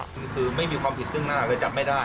คือไม่มีความผิดซึ่งหน้าเลยจับไม่ได้